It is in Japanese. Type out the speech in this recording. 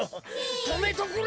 とめとくれ！